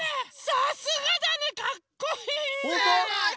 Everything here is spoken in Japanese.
さすがだねかっこいい！